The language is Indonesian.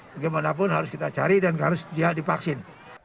bagaimanapun harus kita cari dan harus dia divaksin